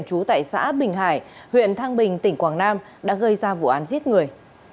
chú tại xã bình hải huyện thang bình tỉnh quảng nam đã gây ra vụ án giết người